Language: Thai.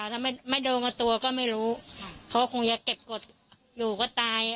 ถ้าไม่โดนกับตัวก็ไม่รู้เขาคงจะเก็บกฎอยู่ก็ตาย